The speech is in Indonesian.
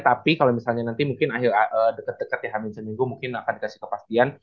tapi kalau misalnya nanti mungkin deket deket ya hamil seminggu mungkin akan dikasih kepastian